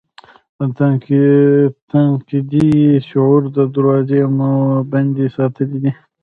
د تنقیدي شعور دراوزې مو بندې ساتلي دي.